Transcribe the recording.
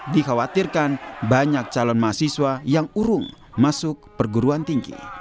dikhawatirkan banyak calon mahasiswa yang urung masuk perguruan tinggi